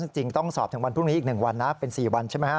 จริงต้องสอบถึงวันพรุ่งนี้อีก๑วันนะเป็น๔วันใช่ไหมฮ